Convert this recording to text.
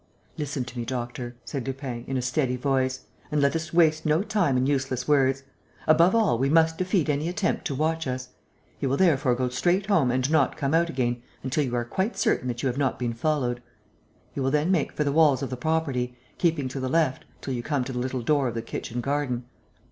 "Listen to me, doctor," said Lupin, in a steady voice, "and let us waste no time in useless words. Above all, we must defeat any attempt to watch us. You will therefore go straight home and not come out again until you are quite certain that you have not been followed. You will then make for the walls of the property, keeping to the left, till you come to the little door of the kitchen garden.